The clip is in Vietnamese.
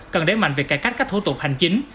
cần đếm mạnh về cải cách các thủ tục hành chính